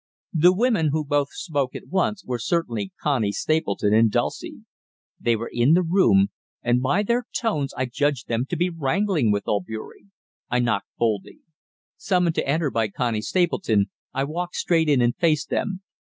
The women, who both spoke at once, were certainly Connie Stapleton and Dulcie. They were in the room, and by their tones I judged them to be wrangling with Albeury. I knocked boldly. Summoned to enter by Connie Stapleton, I walked straight in and faced them.